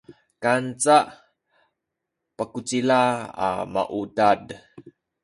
kanca pakucila a maudad